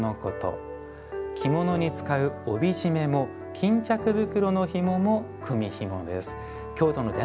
着物に使う帯締めも巾着袋のひもも組みひもです。